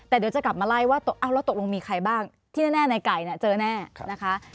แต่เดี๋ยวจะกลับมาไล่ว่าแล้วตกลงมีใครบ้างที่แน่ในไก่เจอแน่นะคะ